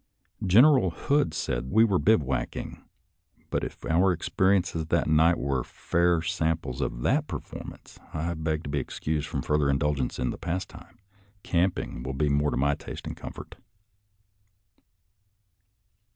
Gen eral Hood said we were bivouacking, but if our experiences that night are fair samples of that performance, I beg to be excused from further indulgence in the pastime — camping will be more to my taste and comfort.